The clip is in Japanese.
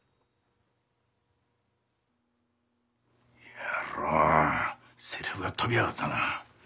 野郎セリフが飛びやがったな。